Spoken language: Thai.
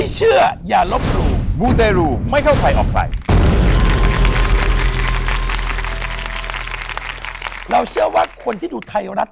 เราเชื่อว่าคนที่ดูไทยโอนัส